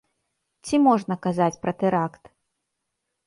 Ці можна казаць пра тэракт?